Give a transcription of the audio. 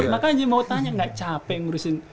makanya mau tanya nggak capek ngurusin